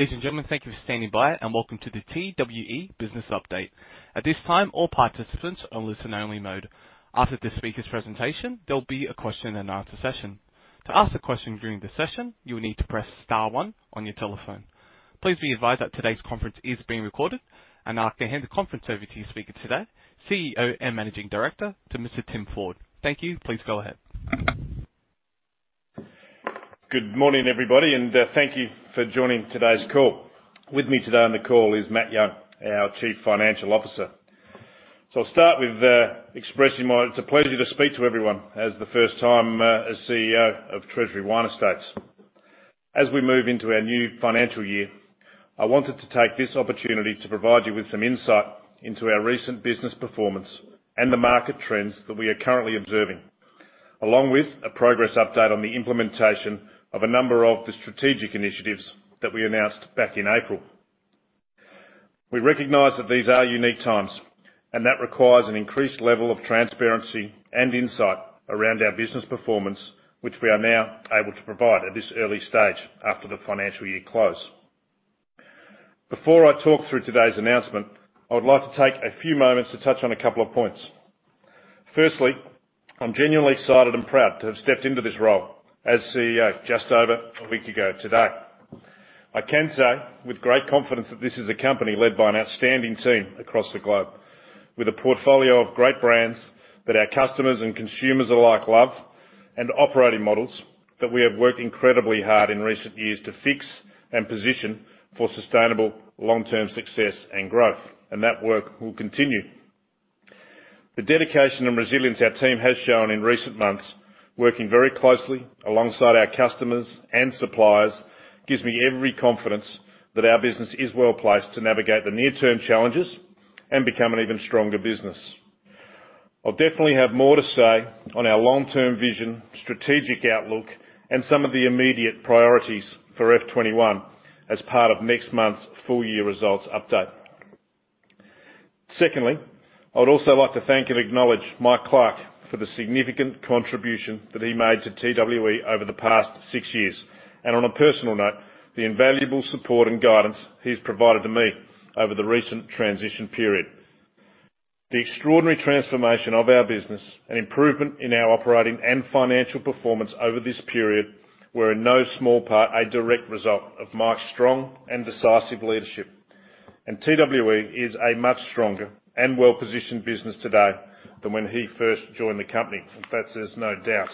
Ladies and gentlemen, thank you for standing by, and welcome to the TWE Business Update. At this time, all participants are in listen-only mode. After this speaker's presentation, there will be a question-and-answer session. To ask a question during the session, you will need to press star one on your telephone. Please be advised that today's conference is being recorded, and I can hand the conference over to your speaker today, CEO and Managing Director, to Mr. Tim Ford. Thank you. Please go ahead. Good morning, everybody, and thank you for joining today's call. With me today on the call is Matt Young, our Chief Financial Officer. So I'll start with expressing that it's a pleasure to speak to everyone for the first time as CEO of Treasury Wine Estates. As we move into our new financial year, I wanted to take this opportunity to provide you with some insight into our recent business performance and the market trends that we are currently observing, along with a progress update on the implementation of a number of the strategic initiatives that we announced back in April. We recognize that these are unique times, and that requires an increased level of transparency and insight around our business performance, which we are now able to provide at this early stage after the financial year close. Before I talk through today's announcement, I would like to take a few moments to touch on a couple of points. Firstly, I'm genuinely excited and proud to have stepped into this role as CEO just over a week ago today. I can say with great confidence that this is a company led by an outstanding team across the globe, with a portfolio of great brands that our customers and consumers alike love, and operating models that we have worked incredibly hard in recent years to fix and position for sustainable long-term success and growth, and that work will continue. The dedication and resilience our team has shown in recent months, working very closely alongside our customers and suppliers, gives me every confidence that our business is well placed to navigate the near-term challenges and become an even stronger business. I'll definitely have more to say on our long-term vision, strategic outlook, and some of the immediate priorities for F21 as part of next month's full-year results update. Secondly, I would also like to thank and acknowledge Mike Clarke for the significant contribution that he made to TWE over the past six years, and on a personal note, the invaluable support and guidance he's provided to me over the recent transition period. The extraordinary transformation of our business and improvement in our operating and financial performance over this period were in no small part a direct result of Mike's strong and decisive leadership, and TWE is a much stronger and well-positioned business today than when he first joined the company, if there's no doubt.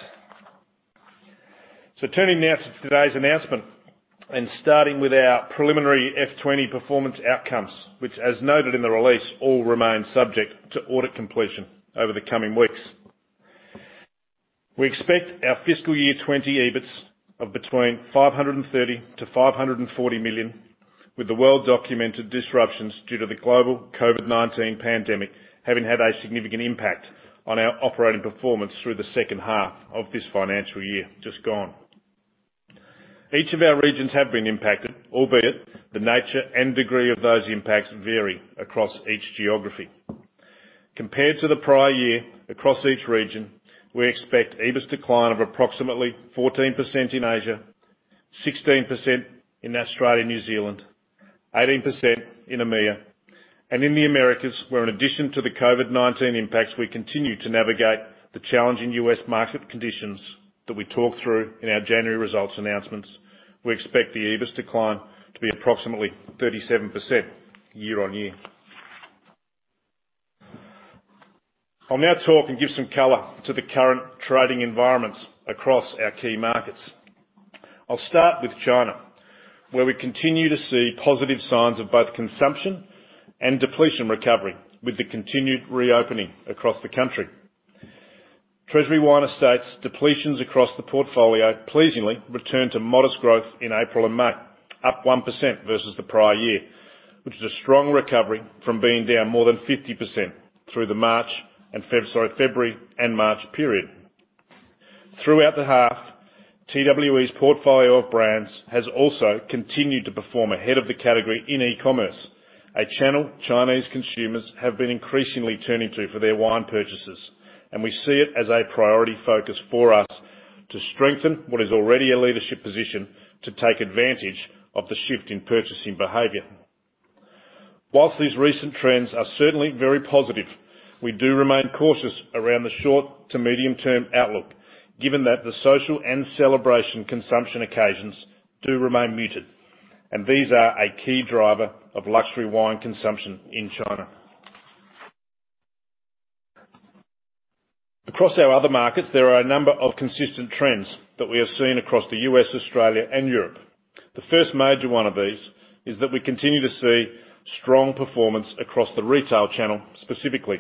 So turning now to today's announcement and starting with our preliminary F20 performance outcomes, which, as noted in the release, all remain subject to audit completion over the coming weeks. We expect our fiscal year 20 EBITs of between 530 million to 540 million, with the well-documented disruptions due to the global COVID-19 pandemic having had a significant impact on our operating performance through the second half of this financial year just gone. Each of our regions have been impacted, albeit the nature and degree of those impacts vary across each geography. Compared to the prior year across each region, we expect EBITs decline of approximately 14% in Asia, 16% in Australia and New Zealand, 18% in EMEA, and in the Americas, where in addition to the COVID-19 impacts, we continue to navigate the challenging U.S. market conditions that we talked through in our January results announcements. We expect the EBITs decline to be approximately 37% year on year. I'll now talk and give some color to the current trading environments across our key markets. I'll start with China, where we continue to see positive signs of both consumption and depletion recovery with the continued reopening across the country. Treasury Wine Estates' depletions across the portfolio pleasingly returned to modest growth in April and May, up 1% versus the prior year, which is a strong recovery from being down more than 50% through the February and March period. Throughout the half, TWE's portfolio of brands has also continued to perform ahead of the category in e-commerce, a channel Chinese consumers have been increasingly turning to for their wine purchases, and we see it as a priority focus for us to strengthen what is already a leadership position to take advantage of the shift in purchasing behavior. While these recent trends are certainly very positive, we do remain cautious around the short to medium-term outlook, given that the social and celebration consumption occasions do remain muted, and these are a key driver of luxury wine consumption in China. Across our other markets, there are a number of consistent trends that we have seen across the US, Australia, and Europe. The first major one of these is that we continue to see strong performance across the retail channel specifically,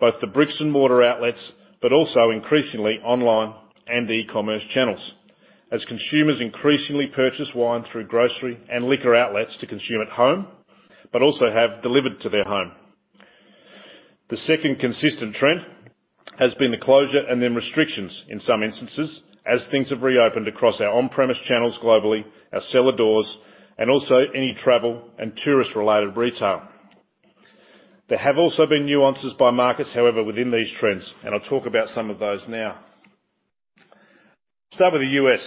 both the bricks-and-mortar outlets, but also increasingly online and e-commerce channels, as consumers increasingly purchase wine through grocery and liquor outlets to consume at home, but also have delivered to their home. The second consistent trend has been the closure and then restrictions in some instances, as things have reopened across our on-premise channels globally, our cellar doors, and also any travel and tourist-related retail. There have also been nuances by markets, however, within these trends, and I'll talk about some of those now. Start with the US.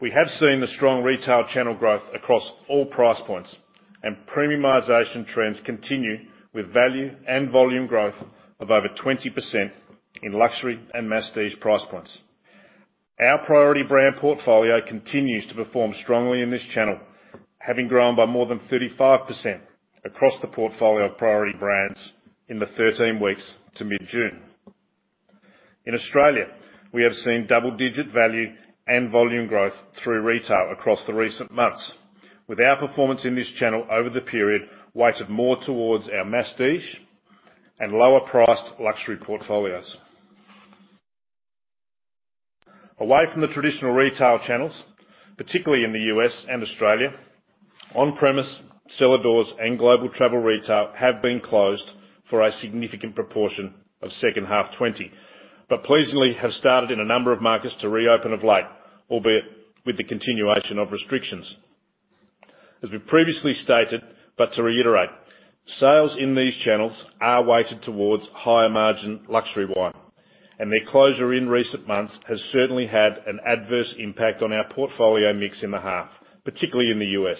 We have seen the strong retail channel growth across all price points, and premiumization trends continue with value and volume growth of over 20% in luxury and masstige price points. Our priority brand portfolio continues to perform strongly in this channel, having grown by more than 35% across the portfolio of priority brands in the 13 weeks to mid-June. In Australia, we have seen double-digit value and volume growth through retail across the recent months, with our performance in this channel over the period weighted more towards our masstige and lower-priced luxury portfolios. Away from the traditional retail channels, particularly in the U.S. and Australia, on-premise, cellar doors, and global travel retail have been closed for a significant proportion of second half 2020, but pleasingly have started in a number of markets to reopen of late, albeit with the continuation of restrictions. As we previously stated, but to reiterate, sales in these channels are weighted towards higher-margin luxury wine, and their closure in recent months has certainly had an adverse impact on our portfolio mix in the half, particularly in the U.S.,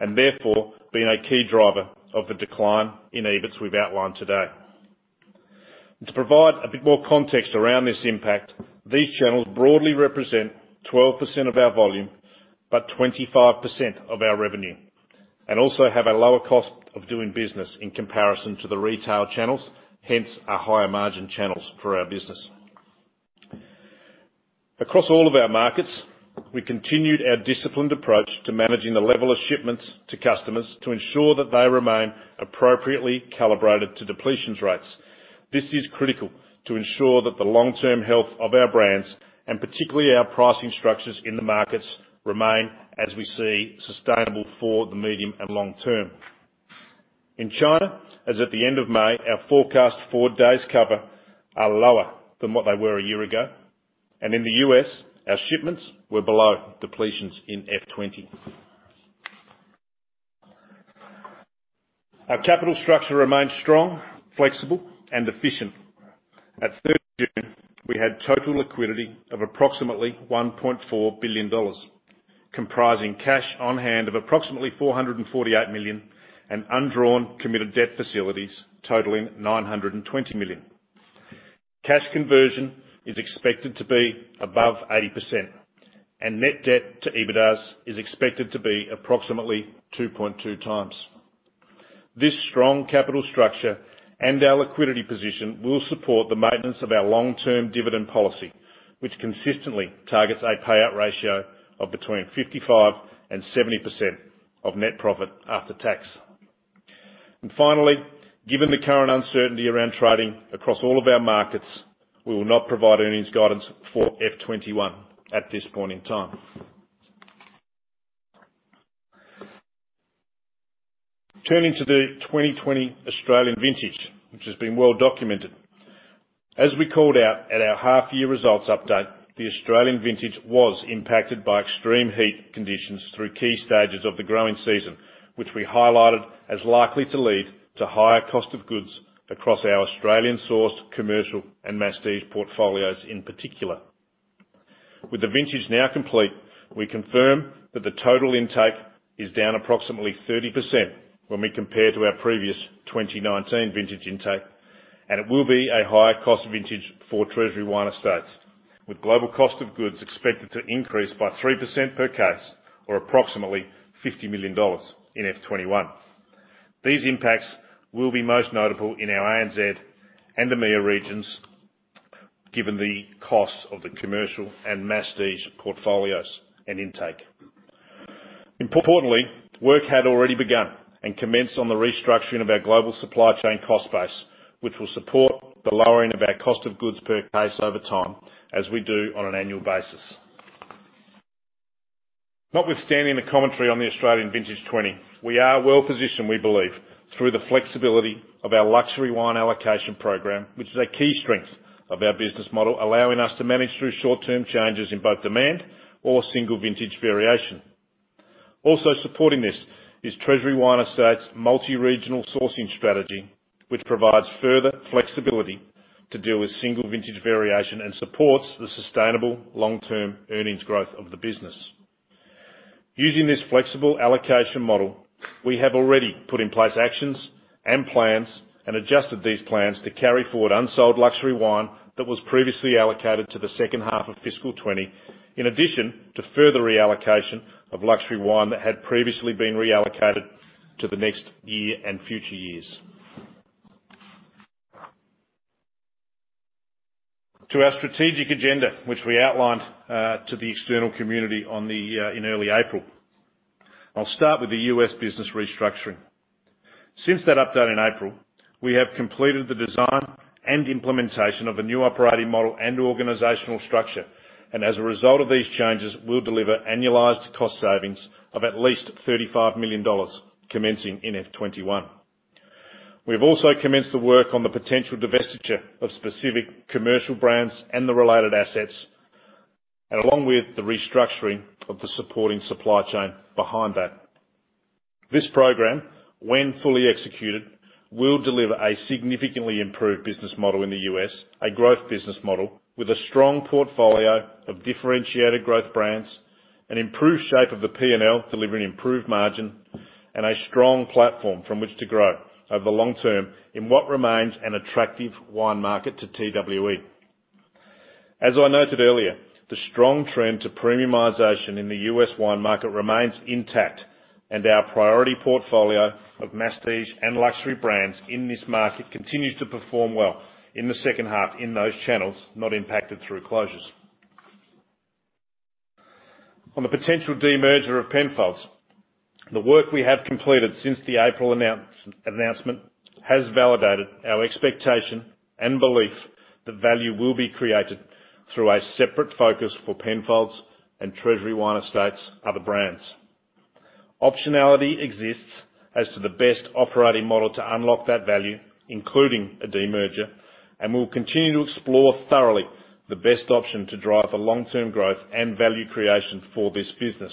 and therefore been a key driver of the decline in EBITS we've outlined today. To provide a bit more context around this impact, these channels broadly represent 12% of our volume, but 25% of our revenue, and also have a lower cost of doing business in comparison to the retail channels, hence our higher-margin channels for our business. Across all of our markets, we continued our disciplined approach to managing the level of shipments to customers to ensure that they remain appropriately calibrated to depletion rates. This is critical to ensure that the long-term health of our brands and particularly our pricing structures in the markets remain, as we see, sustainable for the medium and long term. In China, as of the end of May, our forward days cover are lower than what they were a year ago, and in the US, our shipments were below depletions in F20. Our capital structure remained strong, flexible, and efficient. At June 30, we had total liquidity of approximately 1.4 billion dollars, comprising cash on hand of approximately 448 million and undrawn committed debt facilities totaling 920 million. Cash conversion is expected to be above 80%, and net debt to EBITDA is expected to be approximately 2.2 times. This strong capital structure and our liquidity position will support the maintenance of our long-term dividend policy, which consistently targets a payout ratio of between 55%-70% of net profit after tax. And finally, given the current uncertainty around trading across all of our markets, we will not provide earnings guidance for F21 at this point in time. Turning to the 2020 Australian vintage, which has been well documented. As we called out at our half-year results update, the Australian vintage was impacted by extreme heat conditions through key stages of the growing season, which we highlighted as likely to lead to higher cost of goods across our Australian-sourced commercial and masstige portfolios in particular. With the vintage now complete, we confirm that the total intake is down approximately 30% when we compare to our previous 2019 vintage intake, and it will be a higher cost vintage for Treasury Wine Estates, with global cost of goods expected to increase by 3% per case, or approximately AUD 50 million in F21. These impacts will be most notable in our ANZ and EMEA regions, given the costs of the commercial and masstige portfolios and intake. Importantly, work had already begun and commenced on the restructuring of our global supply chain cost base, which will support the lowering of our cost of goods per case over time, as we do on an annual basis. Notwithstanding the commentary on the Australian vintage 2020, we are well positioned, we believe, through the flexibility of our luxury wine allocation program, which is a key strength of our business model, allowing us to manage through short-term changes in both demand or single vintage variation. Also supporting this is Treasury Wine Estates' multi-regional sourcing strategy, which provides further flexibility to deal with single vintage variation and supports the sustainable long-term earnings growth of the business. Using this flexible allocation model, we have already put in place actions and plans and adjusted these plans to carry forward unsold luxury wine that was previously allocated to the second half of fiscal 2020, in addition to further reallocation of luxury wine that had previously been reallocated to the next year and future years. To our strategic agenda, which we outlined to the external community in early April, I'll start with the US business restructuring. Since that update in April, we have completed the design and implementation of a new operating model and organizational structure, and as a result of these changes, we'll deliver annualized cost savings of at least $35 million commencing in F21. We've also commenced the work on the potential divestiture of specific commercial brands and the related assets, along with the restructuring of the supporting supply chain behind that. This program, when fully executed, will deliver a significantly improved business model in the US, a growth business model with a strong portfolio of differentiated growth brands, an improved shape of the P&L delivering improved margin, and a strong platform from which to grow over the long term in what remains an attractive wine market to TWE. As I noted earlier, the strong trend to premiumisation in the U.S. wine market remains intact, and our priority portfolio of masstige and luxury brands in this market continues to perform well in the second half in those channels, not impacted through closures. On the potential demerger of Penfolds, the work we have completed since the April announcement has validated our expectation and belief that value will be created through a separate focus for Penfolds and Treasury Wine Estates' other brands. Optionality exists as to the best operating model to unlock that value, including a demerger, and we'll continue to explore thoroughly the best option to drive the long-term growth and value creation for this business.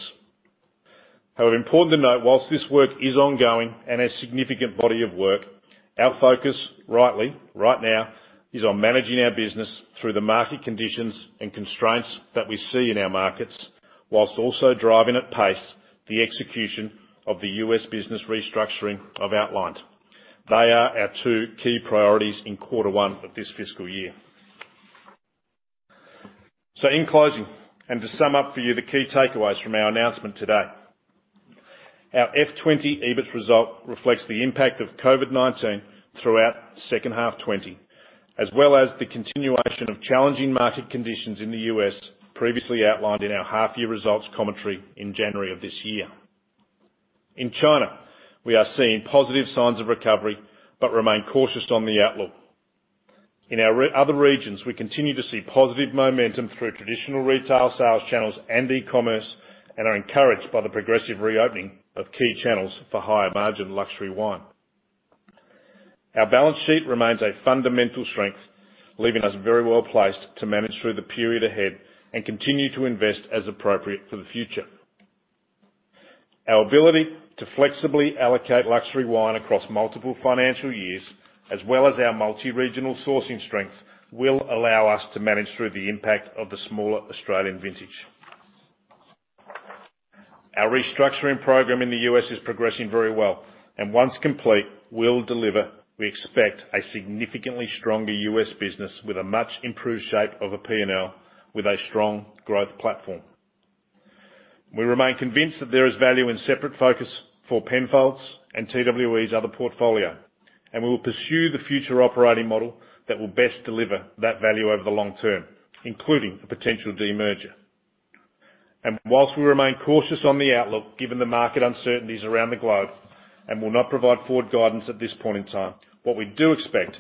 However, important to note, while this work is ongoing and a significant body of work, our focus right now is on managing our business through the market conditions and constraints that we see in our markets, while also driving at pace the execution of the US business restructuring I've outlined. They are our two key priorities in Quarter One of this fiscal year. So in closing, and to sum up for you the key takeaways from our announcement today, our F20 EBITS result reflects the impact of COVID-19 throughout second half 2020, as well as the continuation of challenging market conditions in the US previously outlined in our half-year results commentary in January of this year. In China, we are seeing positive signs of recovery, but remain cautious on the outlook. In our other regions, we continue to see positive momentum through traditional retail sales channels and e-commerce and are encouraged by the progressive reopening of key channels for higher-margin luxury wine. Our balance sheet remains a fundamental strength, leaving us very well placed to manage through the period ahead and continue to invest as appropriate for the future. Our ability to flexibly allocate luxury wine across multiple financial years, as well as our multi-regional sourcing strength, will allow us to manage through the impact of the smaller Australian vintage. Our restructuring program in the U.S. is progressing very well, and once complete, we'll deliver, we expect, a significantly stronger U.S. business with a much improved shape of a P&L with a strong growth platform. We remain convinced that there is value in separate focus for Penfolds and TWE's other portfolio, and we will pursue the future operating model that will best deliver that value over the long term, including a potential demerger, while we remain cautious on the outlook, given the market uncertainties around the globe, and will not provide forward guidance at this point in time. What we do expect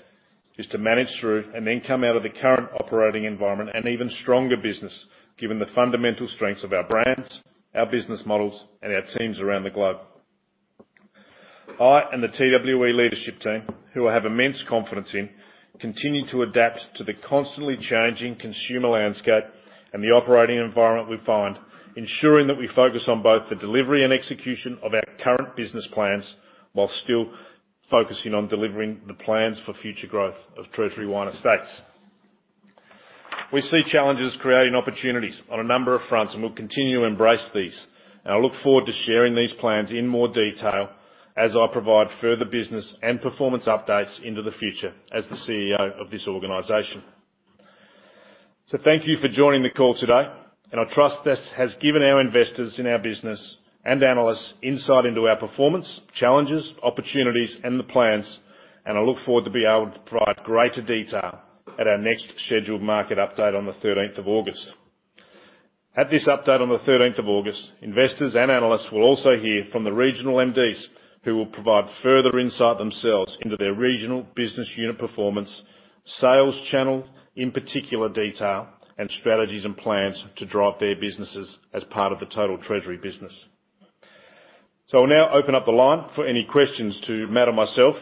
is to manage through and then come out of the current operating environment an even stronger business, given the fundamental strengths of our brands, our business models, and our teams around the globe. I and the TWE leadership team, who I have immense confidence in, continue to adapt to the constantly changing consumer landscape and the operating environment we find, ensuring that we focus on both the delivery and execution of our current business plans while still focusing on delivering the plans for future growth of Treasury Wine Estates. We see challenges creating opportunities on a number of fronts, and we'll continue to embrace these, and I look forward to sharing these plans in more detail as I provide further business and performance updates into the future as the CEO of this organization. So thank you for joining the call today, and I trust this has given our investors in our business and analysts insight into our performance, challenges, opportunities, and the plans, and I look forward to being able to provide greater detail at our next scheduled market update on the 13th of August. At this update on the 13th of August, investors and analysts will also hear from the regional MDs, who will provide further insight themselves into their regional business unit performance, sales channel in particular detail, and strategies and plans to drive their businesses as part of the total Treasury business. So I'll now open up the line for any questions to Matt and myself,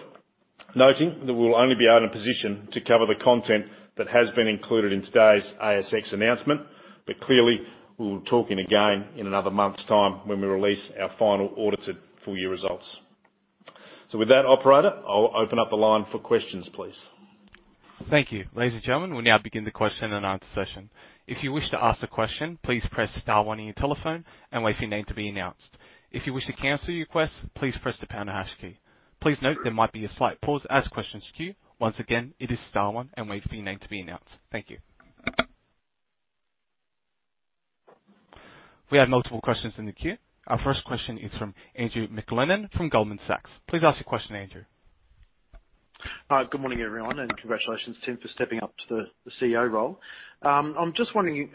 noting that we'll only be in a position to cover the content that has been included in today's ASX announcement, but clearly we'll be talking again in another month's time when we release our final audited full-year results. So with that, Operator, I'll open up the line for questions, please. Thank you. Ladies and gentlemen, we now begin the question and answer session. If you wish to ask a question, please press star one on your telephone and wait for your name to be announced. If you wish to cancel your request, please press the pound and hash key. Please note there might be a slight pause as questions queue. Once again, it is star one and wait for your name to be announced. Thank you. We have multiple questions in the queue. Our first question is from Andrew McLennan from Goldman Sachs. Please ask your question, Andrew. Hi, good morning everyone, and congratulations Tim for stepping up to the CEO role. I'm just wondering,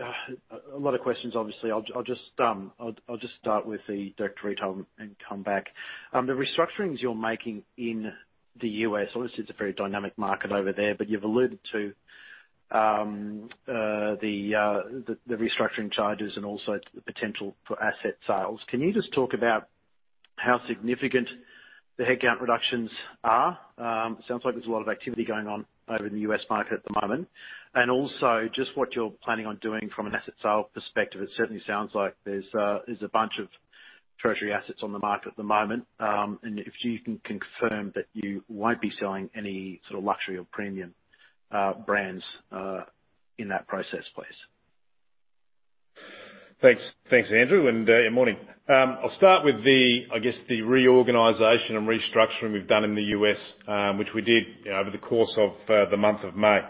a lot of questions obviously, I'll just start with the director of retail and come back. The restructurings you're making in the U.S., obviously it's a very dynamic market over there, but you've alluded to the restructuring charges and also the potential for asset sales. Can you just talk about how significant the headcount reductions are? It sounds like there's a lot of activity going on over in the U.S. market at the moment. And also just what you're planning on doing from an asset sale perspective, it certainly sounds like there's a bunch of Treasury assets on the market at the moment, and if you can confirm that you won't be selling any sort of luxury or premium brands in that process, please. Thanks, Andrew, and good morning. I'll start with I guess the reorganization and restructuring we've done in the US, which we did over the course of the month of May.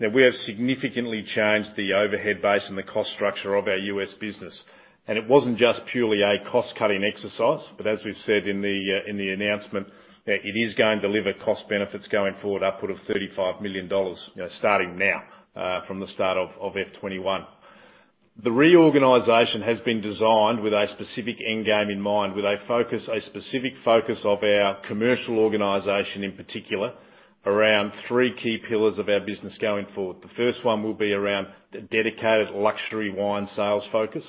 Now, we have significantly changed the overhead base and the cost structure of our US business, and it wasn't just purely a cost-cutting exercise, but as we've said in the announcement, it is going to deliver cost benefits going forward, upward of $35 million starting now from the start of F21. The reorganization has been designed with a specific end game in mind, with a specific focus of our commercial organization in particular around three key pillars of our business going forward. The first one will be around a dedicated luxury wine sales focus,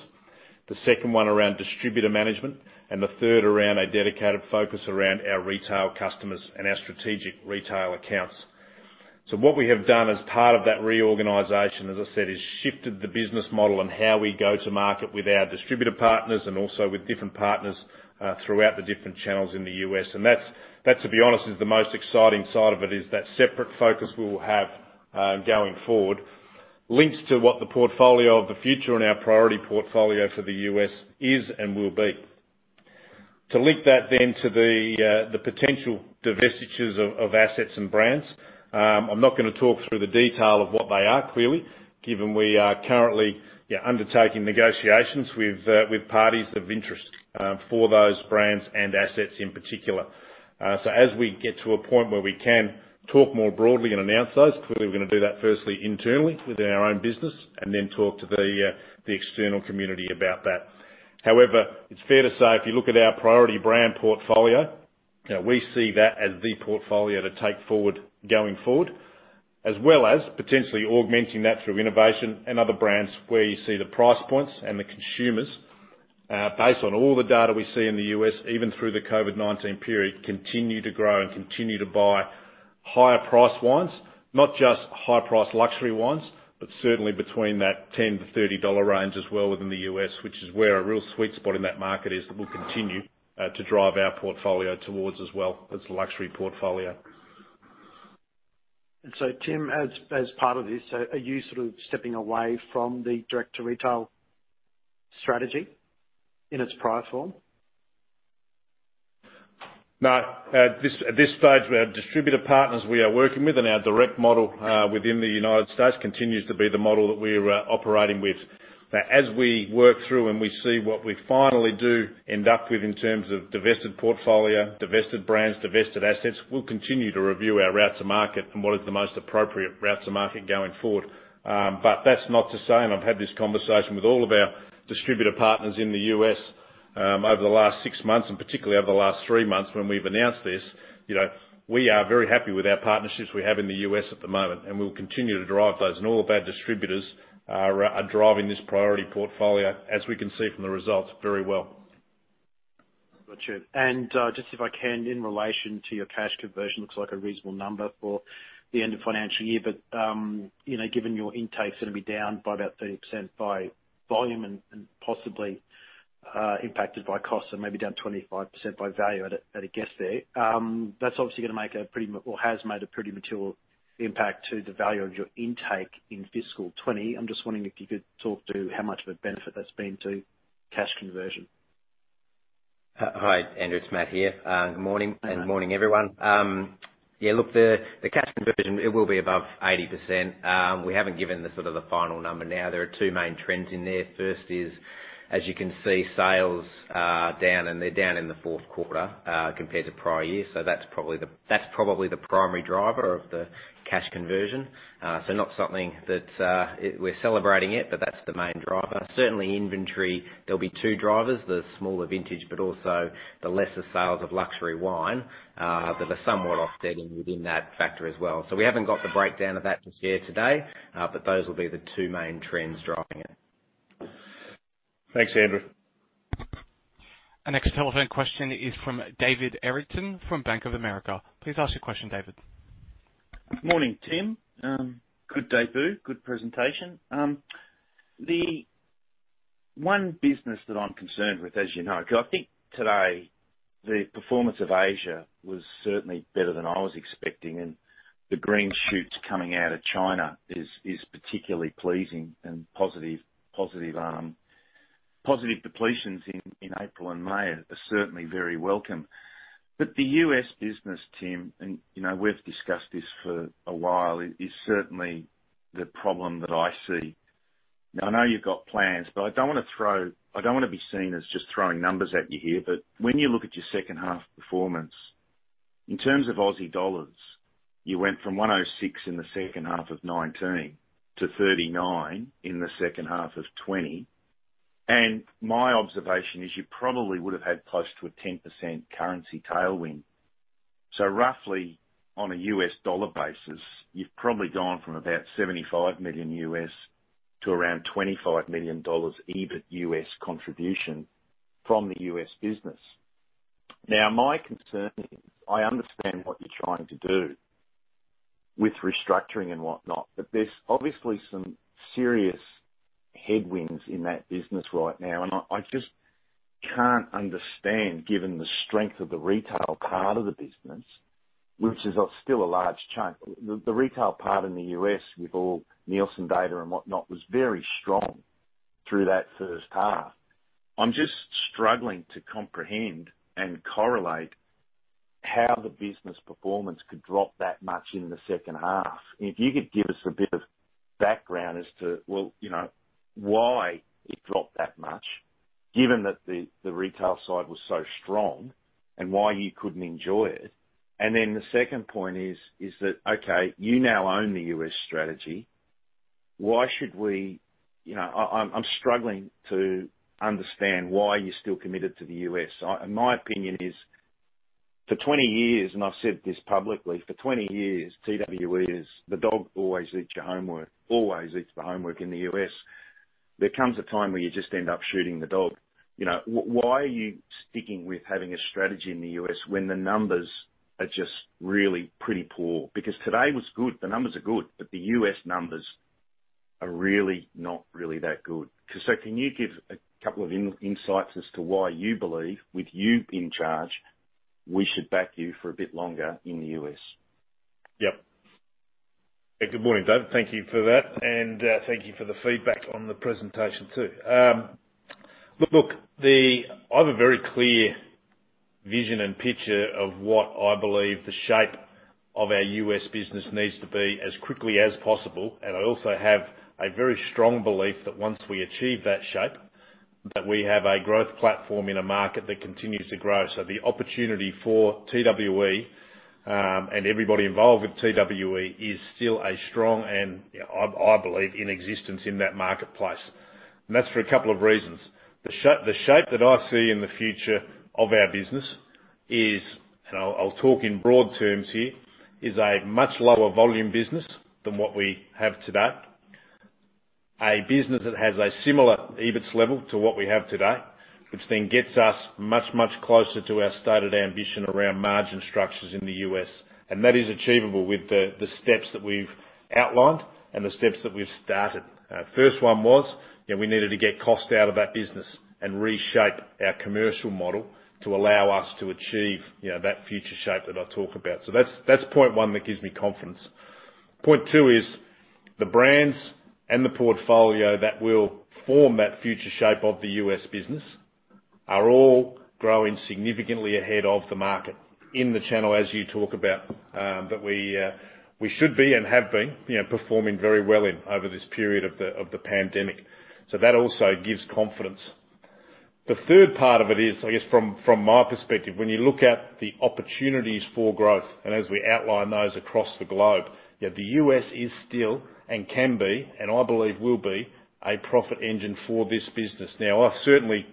the second one around distributor management, and the third around a dedicated focus around our retail customers and our strategic retail accounts. So what we have done as part of that reorganization, as I said, is shifted the business model and how we go to market with our distributor partners and also with different partners throughout the different channels in the U.S. And that, to be honest, is the most exciting side of it, is that separate focus we will have going forward links to what the portfolio of the future and our priority portfolio for the U.S. is and will be. To link that then to the potential divestitures of assets and brands, I'm not going to talk through the detail of what they are, clearly, given we are currently undertaking negotiations with parties of interest for those brands and assets in particular. So as we get to a point where we can talk more broadly and announce those, clearly we're going to do that firstly internally within our own business and then talk to the external community about that. However, it's fair to say if you look at our priority brand portfolio, we see that as the portfolio to take forward going forward, as well as potentially augmenting that through innovation and other brands where you see the price points and the consumers, based on all the data we see in the U.S., even through the COVID-19 period, continue to grow and continue to buy higher price wines, not just high-priced luxury wines, but certainly between that $10-$30 range as well within the U.S., which is where a real sweet spot in that market is that will continue to drive our portfolio towards as well as the luxury portfolio. And so Tim, as part of this, are you sort of stepping away from the director of retail strategy in its prior form? No. At this stage, we have distributor partners we are working with, and our direct model within the United States continues to be the model that we're operating with. Now, as we work through and we see what we finally do end up with in terms of divested portfolio, divested brands, divested assets, we'll continue to review our routes to market and what is the most appropriate route to market going forward, but that's not to say, and I've had this conversation with all of our distributor partners in the US over the last six months and particularly over the last three months when we've announced this, we are very happy with our partnerships we have in the US at the moment, and we'll continue to drive those, and all of our distributors are driving this priority portfolio, as we can see from the results, very well. Gotcha. And just if I can, in relation to your cash conversion, looks like a reasonable number for the end of financial year, but given your intake's going to be down by about 30% by volume and possibly impacted by costs and maybe down 25% by value, I'd guess there. That's obviously going to make a pretty or has made a pretty material impact to the value of your intake in fiscal 2020. I'm just wondering if you could talk to how much of a benefit that's been to cash conversion. Hi, Andrew, it's Matt here. Good morning and good morning, everyone. Yeah, look, the cash conversion, it will be above 80%. We haven't given the sort of the final number now. There are two main trends in there. First is, as you can see, sales are down, and they're down in the fourth quarter compared to prior years. So that's probably the primary driver of the cash conversion. So not something that we're celebrating yet, but that's the main driver. Certainly, inventory, there'll be two drivers: the smaller vintage, but also the lesser sales of luxury wine that are somewhat offsetting within that factor as well. So we haven't got the breakdown of that to share today, but those will be the two main trends driving it. Thanks, Andrew. Our next telephone question is from David Erickson from Bank of America. Please ask your question, David. Good morning, Tim. Good debut, good presentation. The one business that I'm concerned with, as you know, because I think today the performance of Asia was certainly better than I was expecting, and the green shoots coming out of China is particularly pleasing and positive. Positive depletions in April and May are certainly very welcome. But the US business, Tim, and we've discussed this for a while, is certainly the problem that I see. Now, I know you've got plans, but I don't want to throw, I don't want to be seen as just throwing numbers at you here, but when you look at your second half performance, in terms of Aussie dollars, you went from 106 in the second half of 2019 to 39 in the second half of 2020. And my observation is you probably would have had close to a 10% currency tailwind. So roughly on a US dollar basis, you've probably gone from about $75 million to around $25 million EBIT US contribution from the US business. Now, my concern is I understand what you're trying to do with restructuring and whatnot, but there's obviously some serious headwinds in that business right now. And I just can't understand, given the strength of the retail part of the business, which is still a large chunk. The retail part in the US, with all Nielsen data and whatnot, was very strong through that first half. I'm just struggling to comprehend and correlate how the business performance could drop that much in the second half. If you could give us a bit of background as to, well, why it dropped that much, given that the retail side was so strong, and why you couldn't enjoy it. The second point is that, okay, you now own the U.S. strategy. Why should we? I'm struggling to understand why you're still committed to the U.S. My opinion is, for 20 years, and I've said this publicly, for 20 years, TWE is the dog always eats your homework, always eats the homework in the U.S. There comes a time where you just end up shooting the dog. Why are you sticking with having a strategy in the U.S. when the numbers are just really pretty poor? Because today was good, the numbers are good, but the U.S. numbers are really not really that good. So can you give a couple of insights as to why you believe, with you in charge, we should back you for a bit longer in the U.S.? Yep. Good morning, David. Thank you for that, and thank you for the feedback on the presentation too. Look, I have a very clear vision and picture of what I believe the shape of our U.S. business needs to be as quickly as possible. And I also have a very strong belief that once we achieve that shape, that we have a growth platform in a market that continues to grow. So the opportunity for TWE and everybody involved with TWE is still a strong and, I believe, in existence in that marketplace. And that's for a couple of reasons. The shape that I see in the future of our business is, and I'll talk in broad terms here, a much lower volume business than what we have today, a business that has a similar EBIT level to what we have today, which then gets us much, much closer to our stated ambition around margin structures in the U.S., and that is achievable with the steps that we've outlined and the steps that we've started. First one was we needed to get cost out of that business and reshape our commercial model to allow us to achieve that future shape that I'll talk about, so that's point one that gives me confidence. Point two is the brands and the portfolio that will form that future shape of the U.S. business are all growing significantly ahead of the market in the channel as you talk about that we should be and have been performing very well in over this period of the pandemic. So that also gives confidence. The third part of it is, I guess from my perspective, when you look at the opportunities for growth, and as we outline those across the globe, the U.S. is still and can be, and I believe will be, a profit engine for this business. Now, I certainly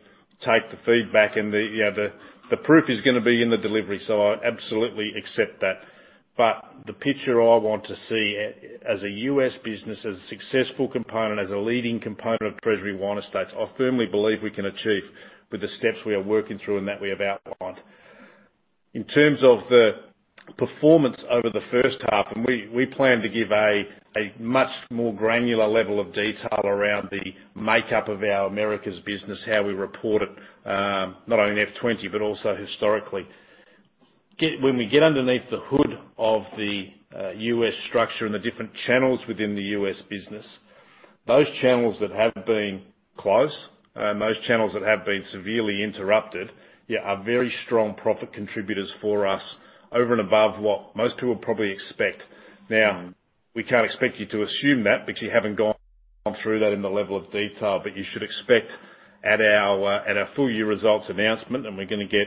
take the feedback, and the proof is going to be in the delivery, so I absolutely accept that. But the picture I want to see as a U.S. business, as a successful component, as a leading component of Treasury Wine Estates, I firmly believe we can achieve with the steps we are working through and that we have outlined. In terms of the performance over the first half, and we plan to give a much more granular level of detail around the makeup of our Americas business, how we report it, not only F20 but also historically. When we get underneath the hood of the U.S. structure and the different channels within the U.S. business, those channels that have been closed, those channels that have been severely interrupted, are very strong profit contributors for us over and above what most people probably expect. Now, we can't expect you to assume that because you haven't gone through that in the level of detail, but you should expect at our full year results announcement, and we're going to get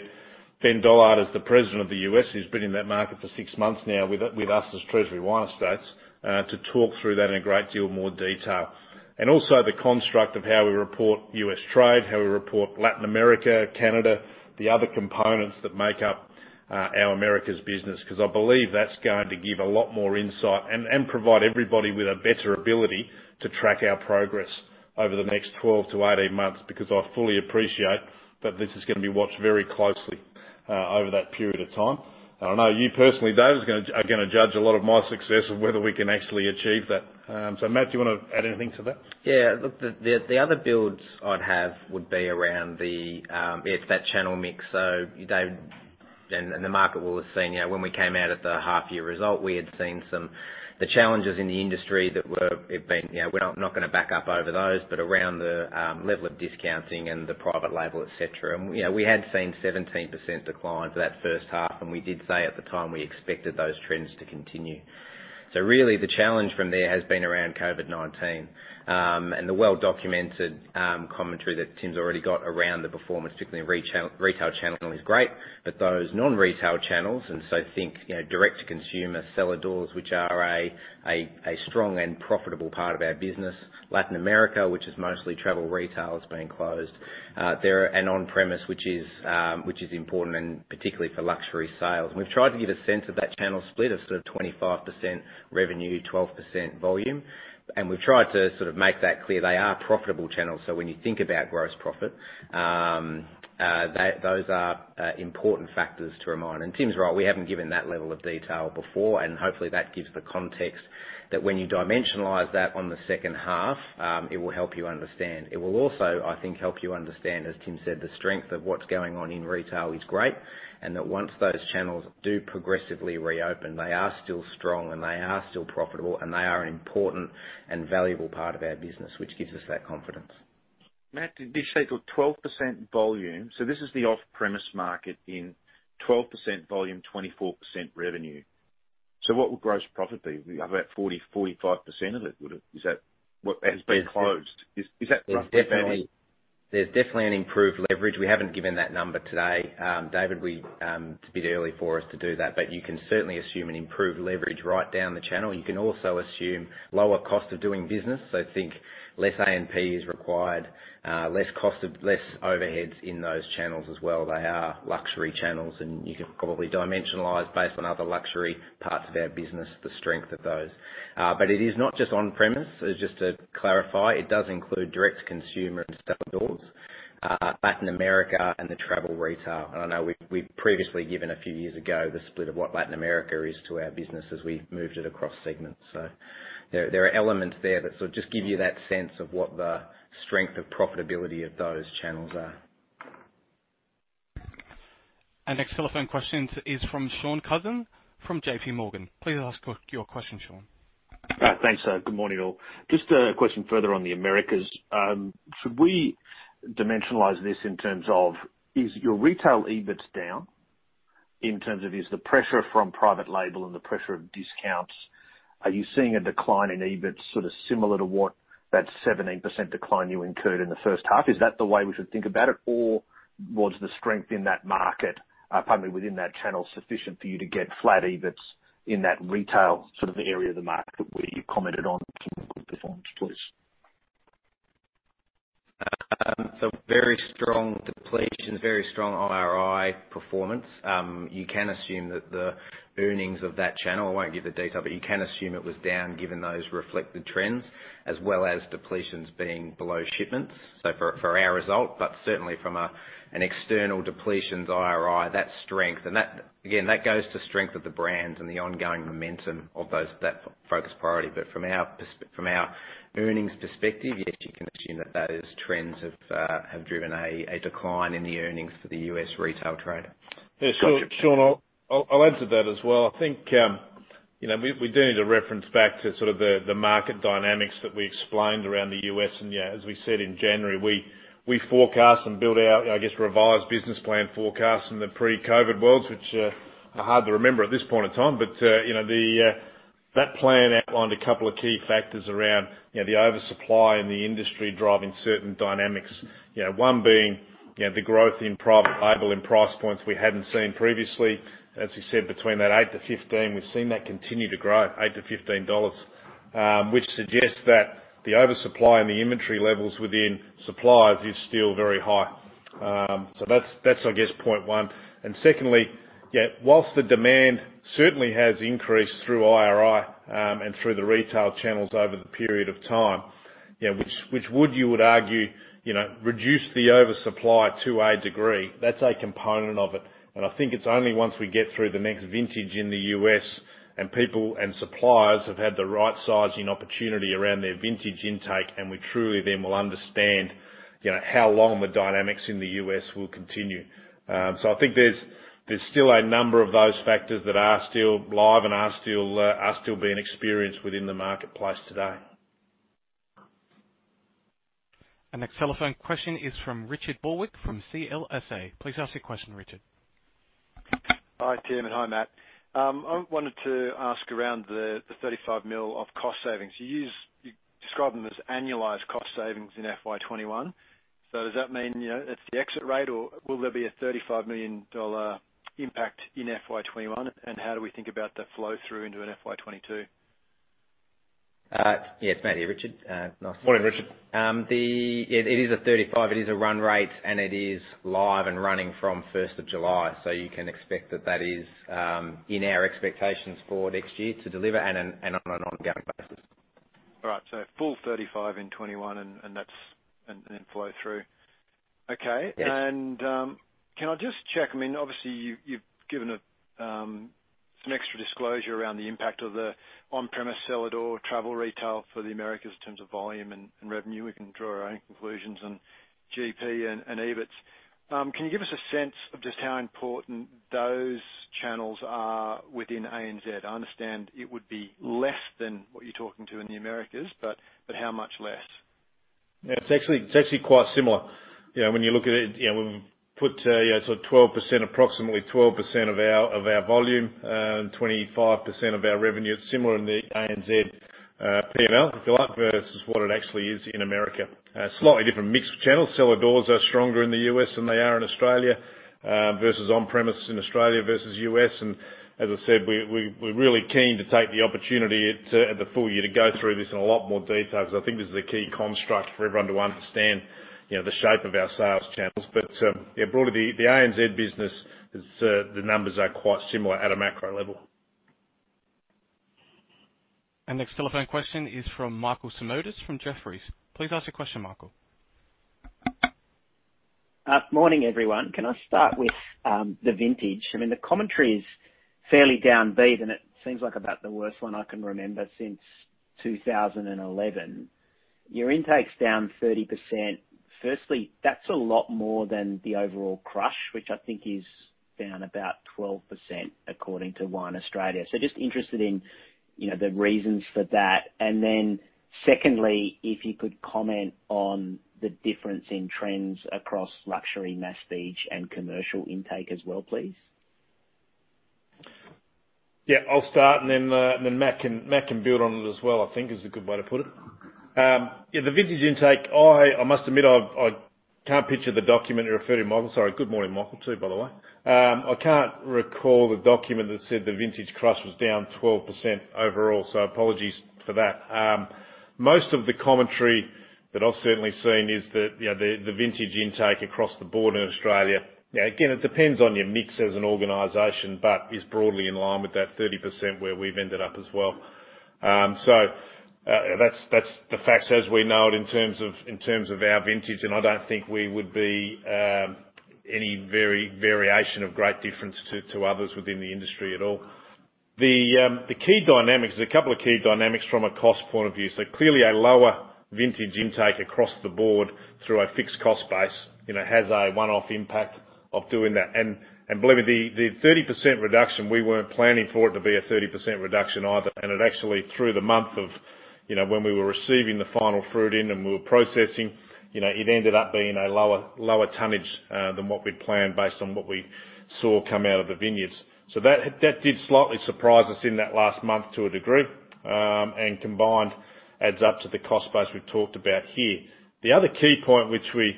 Ben Dollard as the president of the Americas, who's been in that market for six months now with us as Treasury Wine Estates, to talk through that in a great deal more detail, and also the construct of how we report US trade, how we report Latin America, Canada, the other components that make up our Americas business, because I believe that's going to give a lot more insight and provide everybody with a better ability to track our progress over the next 12 to 18 months, because I fully appreciate that this is going to be watched very closely over that period of time. And I know you personally, David, are going to judge a lot of my success of whether we can actually achieve that. So Matt, do you want to add anything to that? Yeah. Look, the other builds I'd have would be around that channel mix. So David and the market will have seen when we came out at the half-year result, we had seen some of the challenges in the industry that were not going to back up over those, but around the level of discounting and the private label, etc., and we had seen a 17% decline for that first half, and we did say at the time we expected those trends to continue, so really, the challenge from there has been around COVID-19. And the well-documented commentary that Tim's already got around the performance, particularly in retail channel, is great, but those non-retail channels, and so think direct-to-consumer, cellar doors, which are a strong and profitable part of our business, Latin America, which is mostly travel retail that's been closed, and on-premise, which is important and particularly for luxury sales. We've tried to give a sense of that channel split of sort of 25% revenue, 12% volume. And we've tried to sort of make that clear. They are profitable channels. So when you think about gross profit, those are important factors to remind. And Tim's right. We haven't given that level of detail before, and hopefully that gives the context that when you dimensionalize that on the second half, it will help you understand. It will also, I think, help you understand, as Tim said, the strength of what's going on in retail is great, and that once those channels do progressively reopen, they are still strong and they are still profitable, and they are an important and valuable part of our business, which gives us that confidence. Matt, did you say to 12% volume? So this is the off-premise market in 12% volume, 24% revenue. So what would gross profit be? About 40%-45% of it, is that what has been closed? Is that roughly valid? There's definitely an improved leverage. We haven't given that number today. David, it's a bit early for us to do that, but you can certainly assume an improved leverage right down the channel. You can also assume lower cost of doing business. So think less A&P is required, less overheads in those channels as well. They are luxury channels, and you can probably dimensionalize based on other luxury parts of our business, the strength of those. But it is not just on-premise, just to clarify. It does include direct-to-consumer and cellar doors, Latin America, and the travel retail. And I know we've previously given a few years ago the split of what Latin America is to our business as we've moved it across segments. So there are elements there that sort of just give you that sense of what the strength of profitability of those channels are. Our next telephone question is from Shaun Cousins from JP Morgan. Please ask your question, Shaun. Thanks, sir. Good morning, all. Just a question further on the Americas. Should we dimensionalize this in terms of your retail EBITs down in terms of is the pressure from private label and the pressure of discounts? Are you seeing a decline in EBIT sort of similar to what that 17% decline you incurred in the first half? Is that the way we should think about it, or was the strength in that market, within that channel, sufficient for you to get flat EBITs in that retail sort of area of the market where you commented on some good performance, please? So very strong depletion, very strong IRI performance. You can assume that the earnings of that channel, I won't give the detail, but you can assume it was down given those reflected trends, as well as depletions being below shipments. So for our result, but certainly from an external depletions, IRI, that strength. And again, that goes to strength of the brands and the ongoing momentum of that focus priority. But from our earnings perspective, yes, you can assume that those trends have driven a decline in the earnings for the U.S. retail trade. Shaun, I'll add to that as well. I think we do need to reference back to sort of the market dynamics that we explained around the US. And as we said in January, we forecast and built out, I guess, revised business plan forecasts in the pre-COVID worlds, which are hard to remember at this point in time. But that plan outlined a couple of key factors around the oversupply in the industry driving certain dynamics. One being the growth in private label and price points we hadn't seen previously. As you said, between that $8-$15, we've seen that continue to grow, $8-$15, which suggests that the oversupply and the inventory levels within supplies is still very high. So that's, I guess, point one. And secondly, while the demand certainly has increased through IRI and through the retail channels over the period of time, which would, you would argue, reduce the oversupply to a degree, that's a component of it. And I think it's only once we get through the next vintage in the U.S. and people and suppliers have had the right sizing opportunity around their vintage intake, and we truly then will understand how long the dynamics in the U.S. will continue. So I think there's still a number of those factors that are still live and are still being experienced within the marketplace today. Our next telephone question is from Richard Barwick from CLSA. Please ask your question, Richard. Hi, Tim, and hi, Matt. I wanted to ask around the 35 million of cost savings. You describe them as annualized cost savings in FY21. So does that mean it's the exit rate, or will there be a $35 million impact in FY21? And how do we think about the flow through into an FY22? Yes, Matt, yeah, Richard. Morning, Richard. It is a 35. It is a run rate, and it is live and running from 1st of July. So you can expect that that is in our expectations for next year to deliver and on an ongoing basis. All right. So full 35 in 2021, and that's an inflow through. Okay. And can I just check? I mean, obviously, you've given some extra disclosure around the impact of the on-premise, cellar door, travel retail for the Americas in terms of volume and revenue. We can draw our own conclusions on GP and EBITs. Can you give us a sense of just how important those channels are within ANZ? I understand it would be less than what you're talking to in the Americas, but how much less? Yeah. It's actually quite similar. When you look at it, we've put sort of 12%, approximately 12% of our volume, 25% of our revenue. It's similar in the ANZ P&L, if you like, versus what it actually is in America. Slightly different mixed channels. Cellar doors are stronger in the US than they are in Australia versus on-premise in Australia versus US. As I said, we're really keen to take the opportunity at the full year to go through this in a lot more detail because I think this is a key construct for everyone to understand the shape of our sales channels. Yeah, broadly, the ANZ business, the numbers are quite similar at a macro level. Our next telephone question is from Michael Simotas from Jefferies. Please ask your question, Michael. Morning, everyone. Can I start with the vintage? I mean, the commentary is fairly downbeat, and it seems like about the worst one I can remember since 2011. Your intake's down 30%. Firstly, that's a lot more than the overall crush, which I think is down about 12% according to Wine Australia. So just interested in the reasons for that. And then secondly, if you could comment on the difference in trends across luxury, masstige, and commercial intake as well, please. Yeah. I'll start, and then Matt can build on it as well, I think, is a good way to put it. Yeah, the vintage intake, I must admit I can't picture the document you referred to, Michael. Sorry. Good morning, Michael, too, by the way. I can't recall the document that said the vintage crush was down 12% overall, so apologies for that. Most of the commentary that I've certainly seen is that the vintage intake across the board in Australia, again, it depends on your mix as an organization, but is broadly in line with that 30% where we've ended up as well. So that's the facts as we know it in terms of our vintage, and I don't think we would be any variation of great difference to others within the industry at all. The key dynamics, a couple of key dynamics from a cost point of view. So clearly, a lower vintage intake across the board through a fixed cost base has a one-off impact of doing that. And believe me, the 30% reduction, we weren't planning for it to be a 30% reduction either. And it actually, through the month of when we were receiving the final fruit in and we were processing, it ended up being a lower tonnage than what we'd planned based on what we saw come out of the vineyards. So that did slightly surprise us in that last month to a degree, and combined adds up to the cost base we've talked about here. The other key point, which we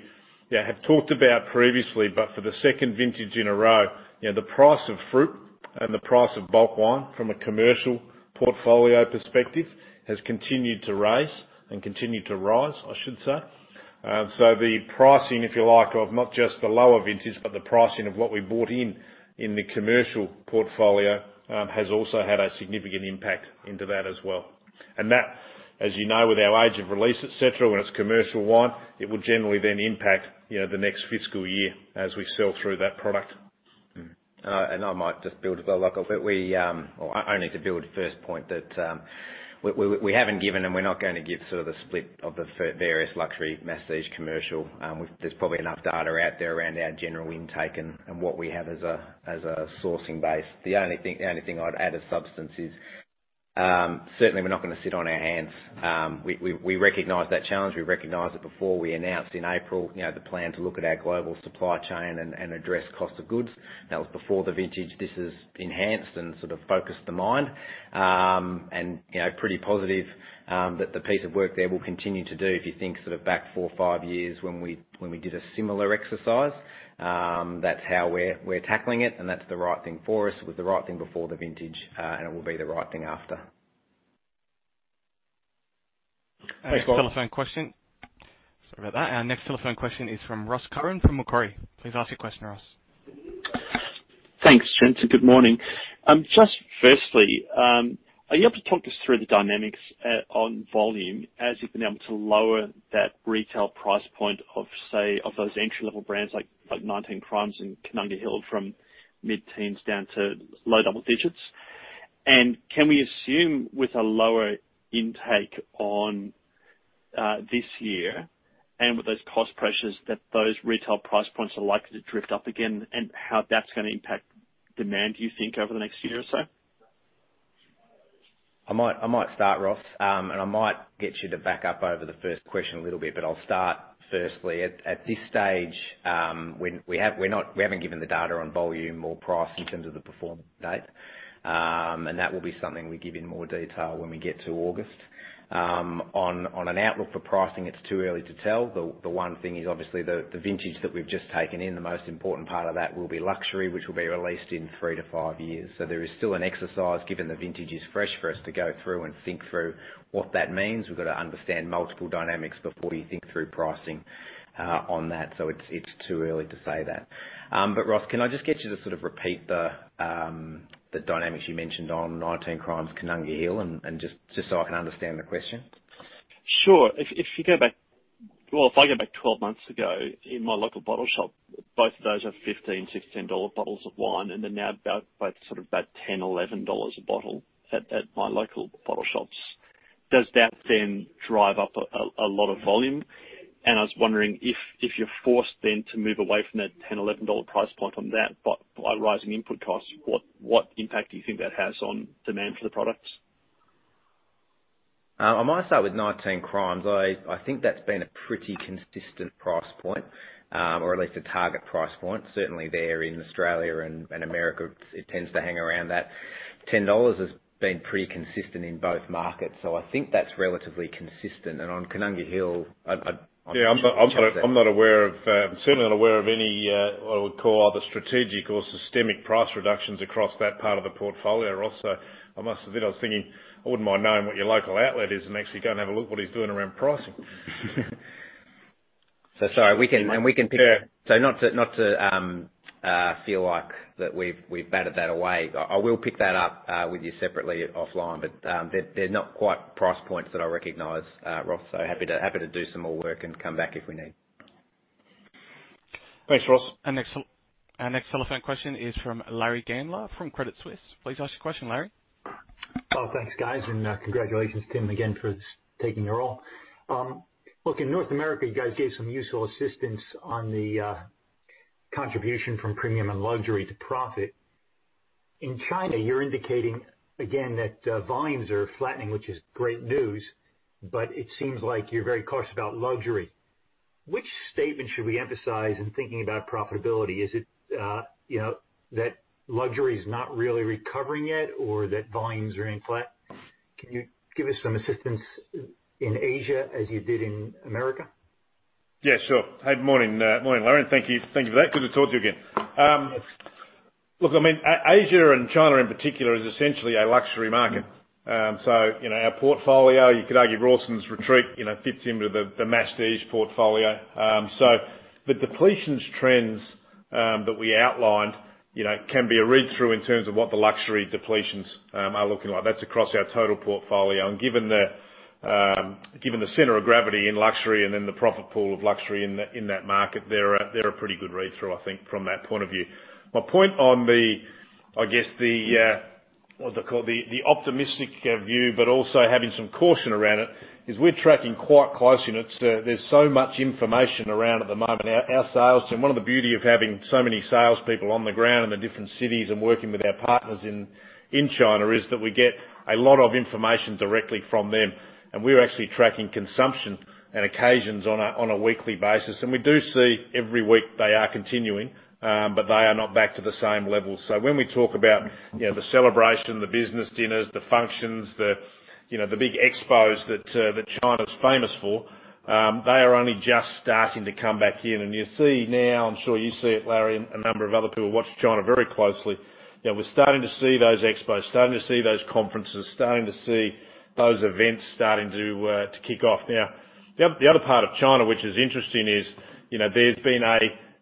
have talked about previously, but for the second vintage in a row, the price of fruit and the price of bulk wine from a commercial portfolio perspective has continued to rise and continued to rise, I should say. So the pricing, if you like, of not just the lower vintage, but the pricing of what we bought in the commercial portfolio has also had a significant impact into that as well. And Matt, as you know, with our age of release, etc., when it's commercial wine, it will generally then impact the next fiscal year as we sell through that product. I might just build as well, Michael, but we wanted to build on the first point that we haven't given, and we're not going to give sort of the split of the various luxury, masstige, commercial. There's probably enough data out there around our general intake and what we have as a sourcing base. The only thing I'd add of substance is certainly we're not going to sit on our hands. We recognize that challenge. We recognized it before we announced in April the plan to look at our global supply chain and address cost of goods. That was before the vintage. This has enhanced and sort of focused the mind, and we're pretty positive that the piece of work there will continue to do. If you think sort of back four, five years when we did a similar exercise, that's how we're tackling it, and that's the right thing for us. It was the right thing before the vintage, and it will be the right thing after. Next telephone question. Sorry about that. Our next telephone question is from Ross Curran from Macquarie. Please ask your question, Ross. Thanks, Jen. Good morning. Just firstly, are you able to talk us through the dynamics on volume as you've been able to lower that retail price point of, say, of those entry-level brands like 19 Crimes and Koonunga Hill from mid-teens down to low double digits? And can we assume with a lower intake on this year and with those cost pressures that those retail price points are likely to drift up again and how that's going to impact demand, do you think, over the next year or so? I might start, Ross, and I might get you to back me up on the first question a little bit, but I'll start firstly. At this stage, we haven't given the data on volume or price in terms of the performance data, and that will be something we give in more detail when we get to August. On an outlook for pricing, it's too early to tell. The one thing is obviously the vintage that we've just taken in, the most important part of that will be luxury, which will be released in three to five years. So there is still an exercise, given the vintage is fresh, for us to go through and think through what that means. We've got to understand multiple dynamics before you think through pricing on that. So it's too early to say that. But Ross, can I just get you to sort of repeat the dynamics you mentioned on 19 Crimes, Koonunga Hill, and just so I can understand the question? Sure. If you go back, well, if I go back 12 months ago in my local bottle shop, both of those are $15-16 bottles of wine, and they're now sort of about $10-11 a bottle at my local bottle shops. Does that then drive up a lot of volume? And I was wondering if you're forced then to move away from that $10-11 price point on that by rising input costs, what impact do you think that has on demand for the products? I might start with 19 Crimes. I think that's been a pretty consistent price point, or at least a target price point. Certainly there in Australia and America, it tends to hang around that. 10 dollars has been pretty consistent in both markets. So I think that's relatively consistent. And on Koonunga Hill, I'm not aware of, certainly not aware of any what I would call either strategic or systemic price reductions across that part of the portfolio, Ross. So I must admit, I was thinking, I wouldn't mind knowing what your local outlet is and actually go and have a look at what he's doing around pricing. So sorry. And we can pick up. So not to feel like that we've batted that away, I will pick that up with you separately offline, but they're not quite price points that I recognize, Ross. So happy to do some more work and come back if we need. Thanks, Ross. Our next telephone question is from Larry Gandler from Credit Suisse. Please ask your question, Larry. Oh, thanks, guys. And congratulations, Tim, again for taking the role. Look, in North America, you guys gave some useful assistance on the contribution from premium and luxury to profit. In China, you're indicating again that volumes are flattening, which is great news, but it seems like you're very cautious about luxury. Which statement should we emphasize in thinking about profitability? Is it that luxury is not really recovering yet or that volumes are in flat? Can you give us some assistance in Asia as you did in America? Yeah, sure. Hey, morning, Larry. Thank you for that. Good to talk to you again. Look, I mean, Asia and China in particular is essentially a luxury market. So our portfolio, you could argue Rawson's Retreat fits into the masstige portfolio. So the depletions trends that we outlined can be a read-through in terms of what the luxury depletions are looking like. That's across our total portfolio. And given the center of gravity in luxury and then the profit pool of luxury in that market, they're a pretty good read-through, I think, from that point of view. My point on the, I guess, the what do they call it? The optimistic view, but also having some caution around it, is we're tracking quite closely. There's so much information around at the moment. Our sales, Tim, one of the beauties of having so many salespeople on the ground in the different cities and working with our partners in China is that we get a lot of information directly from them. And we're actually tracking consumption and occasions on a weekly basis. And we do see every week they are continuing, but they are not back to the same level. So when we talk about the celebration, the business dinners, the functions, the big expos that China's famous for, they are only just starting to come back in. And you see now, I'm sure you see it, Larry, and a number of other people watch China very closely. We're starting to see those expos, starting to see those conferences, starting to see those events starting to kick off. Now, the other part of China, which is interesting, is there's been a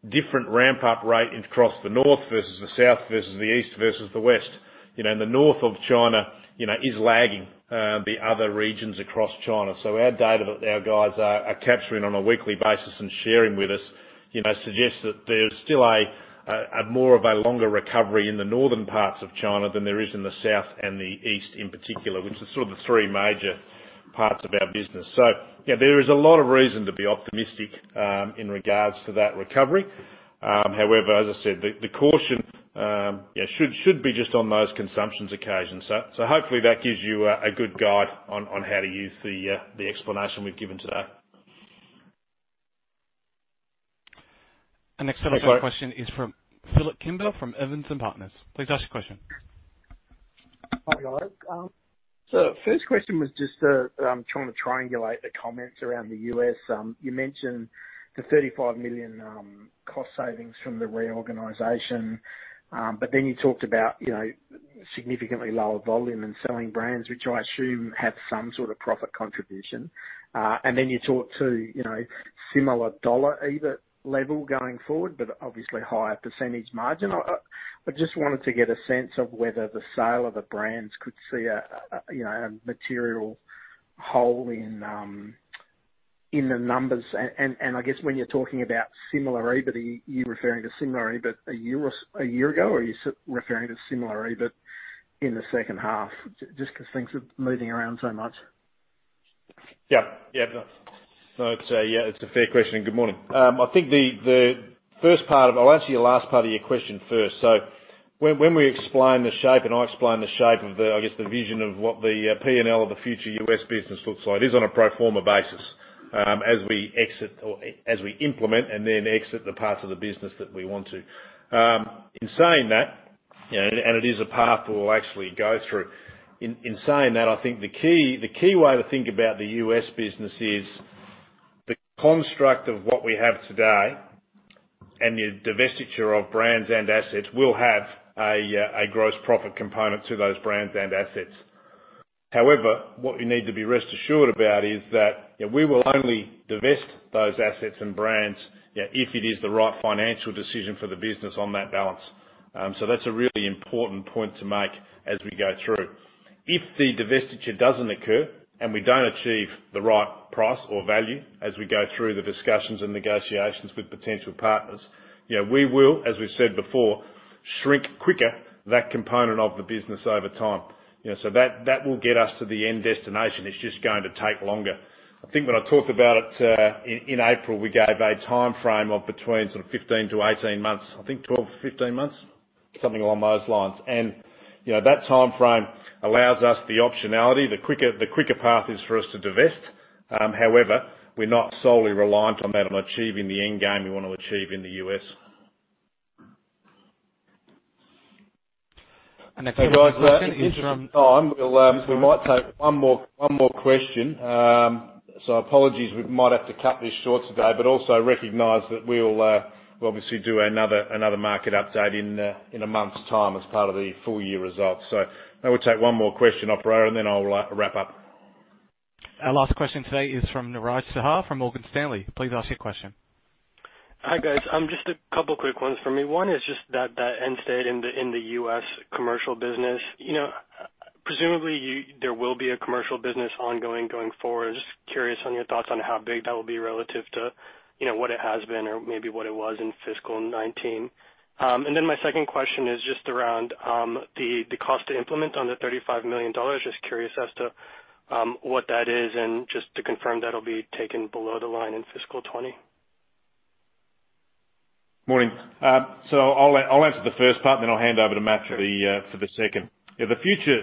different ramp-up rate across the north versus the south versus the east versus the west. And the north of China is lagging the other regions across China. So our data that our guys are capturing on a weekly basis and sharing with us suggests that there's still more of a longer recovery in the northern parts of China than there is in the south and the east in particular, which are sort of the three major parts of our business. So there is a lot of reason to be optimistic in regards to that recovery. However, as I said, the caution should be just on those consumption occasions. So hopefully that gives you a good guide on how to use the explanation we've given today. Our next telephone question is from Phil Kimber from Evans and Partners. Please ask your question. Hi, guys. So first question was just trying to triangulate the comments around the US. You mentioned the 35 million cost savings from the reorganization, but then you talked about significantly lower volume and selling brands, which I assume have some sort of profit contribution. And then you talked to similar dollar level going forward, but obviously higher percentage margin. I just wanted to get a sense of whether the sale of the brands could see a material hole in the numbers. And I guess when you're talking about similar EBIT, are you referring to similar EBIT a year ago, or are you referring to similar EBIT in the second half? Just because things are moving around so much. Yeah. Yeah. So yeah, it's a fair question. Good morning. I think the first part, I'll answer your last part of your question first. So when we explain the shape, and I explain the shape of the, I guess, the vision of what the P&L of the future US business looks like, is on a pro forma basis as we exit or as we implement and then exit the parts of the business that we want to. In saying that, and it is a path we'll actually go through. In saying that, I think the key way to think about the US business is the construct of what we have today and the divestiture of brands and assets will have a gross profit component to those brands and assets. However, what you need to be rest assured about is that we will only divest those assets and brands if it is the right financial decision for the business on that balance, so that's a really important point to make as we go through. If the divestiture doesn't occur and we don't achieve the right price or value as we go through the discussions and negotiations with potential partners, we will, as we've said before, shrink quicker that component of the business over time, so that will get us to the end destination. It's just going to take longer. I think when I talked about it in April, we gave a timeframe of between sort of 15 to 18 months, I think 12, 15 months, something along those lines, and that timeframe allows us the optionality. The quicker path is for us to divest. However, we're not solely reliant on that on achieving the end game we want to achieve in the U.S. Our next telephone question is from. Oh, we might take one more question. So apologies, we might have to cut this short today, but also recognize that we'll obviously do another market update in a month's time as part of the full year results. So I will take one more question, Operator, and then I'll wrap up. Our last question today is from Niraj Shah from Morgan Stanley. Please ask your question. Hi, guys. Just a couple of quick ones for me. One is just that end state in the US commercial business. Presumably, there will be a commercial business ongoing going forward. Just curious on your thoughts on how big that will be relative to what it has been or maybe what it was in fiscal 2019. And then my second question is just around the cost to implement on the $35 million. Just curious as to what that is and just to confirm that it'll be taken below the line in fiscal 2020. Morning. So I'll answer the first part, then I'll hand over to Matt for the second. The future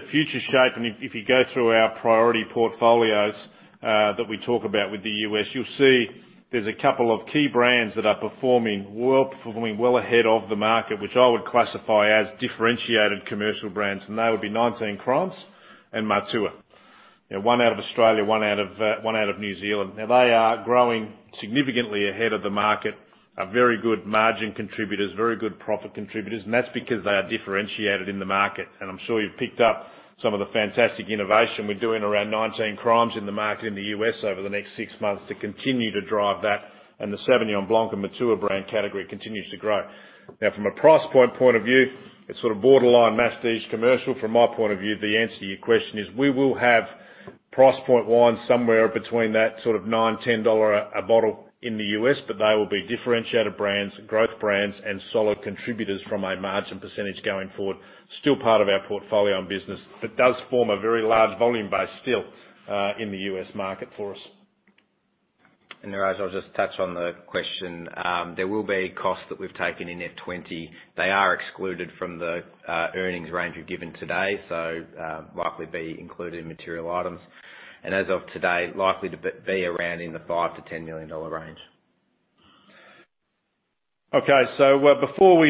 shape, and if you go through our priority portfolios that we talk about with the U.S., you'll see there's a couple of key brands that are performing well ahead of the market, which I would classify as differentiated commercial brands. And they would be 19 Crimes and Matua, one out of Australia, one out of New Zealand. Now, they are growing significantly ahead of the market, are very good margin contributors, very good profit contributors, and that's because they are differentiated in the market. And I'm sure you've picked up some of the fantastic innovation we're doing around 19 Crimes in the market in the U.S. over the next six months to continue to drive that. And the Sauvignon Blanc and Matua brand category continues to grow. Now, from a price point of view, it's sort of borderline masstige commercial. From my point of view, the answer to your question is we will have price point wine somewhere between that sort of $9-$10 a bottle in the U.S., but they will be differentiated brands, growth brands, and solid contributors from a margin percentage going forward. Still part of our portfolio and business, but does form a very large volume base still in the U.S. market for us. Niraj, I'll just touch on the question. There will be costs that we've taken in F20. They are excluded from the earnings range we've given today, so likely be included in material items. As of today, likely to be around in the 5 million-10 million dollar range. Okay. So before we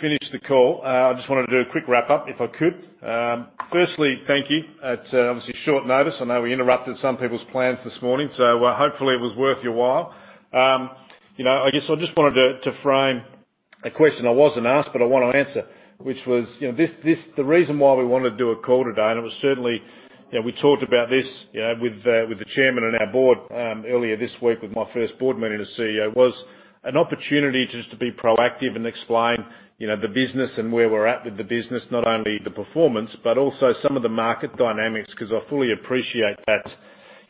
finish the call, I just wanted to do a quick wrap-up if I could. Firstly, thank you at obviously short notice. I know we interrupted some people's plans this morning, so hopefully it was worth your while. I guess I just wanted to frame a question I wasn't asked, but I want to answer, which was the reason why we wanted to do a call today, and it was certainly we talked about this with the chairman and our board earlier this week with my first board meeting as CEO, was an opportunity just to be proactive and explain the business and where we're at with the business, not only the performance, but also some of the market dynamics, because I fully appreciate that.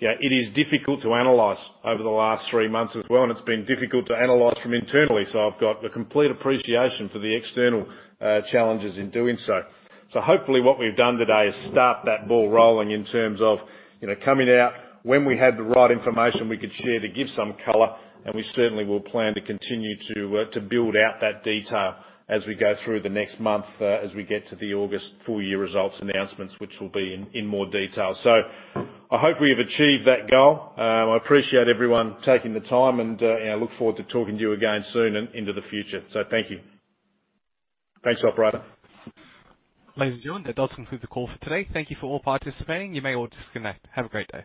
It is difficult to analyze over the last three months as well, and it's been difficult to analyze from internally. I've got a complete appreciation for the external challenges in doing so. So hopefully what we've done today is start that ball rolling in terms of coming out when we had the right information we could share to give some color, and we certainly will plan to continue to build out that detail as we go through the next month as we get to the August full year results announcements, which will be in more detail. So I hope we have achieved that goal. I appreciate everyone taking the time, and I look forward to talking to you again soon and into the future. So thank you. Thanks, operator. Pleasure doing. That does conclude the call for today. Thank you for all participating. You may all disconnect. Have a great day.